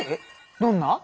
どんな？